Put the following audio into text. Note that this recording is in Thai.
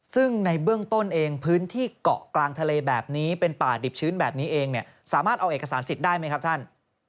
ซึ่งในเบื้องต้นเองพื้นที่เกาะกลางทะเลแบบนี้เป็นป่าดิบชื้นแบบนี้เองเนี่ยสามารถเอาเอกสารสิทธิ์ได้ไหมครับท่าน